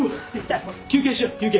休憩しよ休憩。